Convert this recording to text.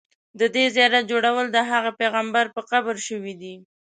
د دې زیارت جوړول د هغه پیغمبر په قبر شوي دي.